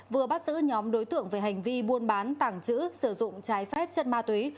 vừa bắt giữ nhóm đối tượng về hành vi buôn bán tàng trữ sử dụng trái phép chất ma túy